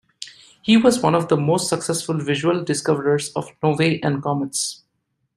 He was one of the most successful visual discoverers of novae and comets.